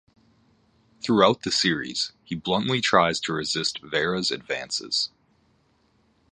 Throughout the series, he bluntly tries to resist Vera's advances.